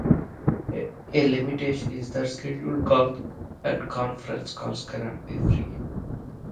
A limitation is that scheduled calls and conference calls cannot be free.